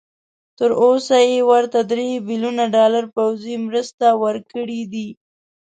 تر اوسه یې ورته درې بيلیونه ډالر پوځي مرسته ورکړي دي.